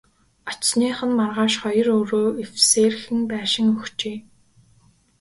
Очсоных нь маргааш хоёр өрөө эвсээрхэн байшин өгчээ.